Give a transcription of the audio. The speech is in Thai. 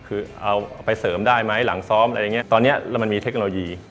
คือเอาไปเสริมได้ไหมหลังซ้อมอะไรอย่างเงี้ตอนนี้แล้วมันมีเทคโนโลยี